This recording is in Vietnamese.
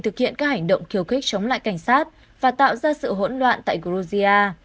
thực hiện các hành động khiêu khích chống lại cảnh sát và tạo ra sự hỗn loạn tại georgia